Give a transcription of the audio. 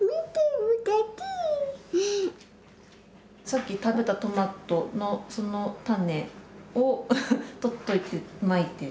さっき食べたトマトのその種を取っといてまいて